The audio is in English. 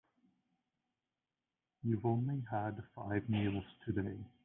You've only had five meals today.